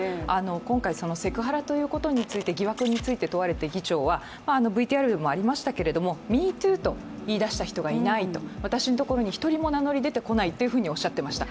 今回セクハラということ、疑惑について問われて議長はＭｅＴｏｏと言いだしてきた人がいないと私のところに１人も名乗り出てこないとおっしゃっていました。